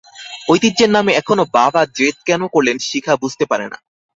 ঐতিহ্যের নামে এখনো বাবা জেদ কেন করলেন শিখা বুঝতে পারে না।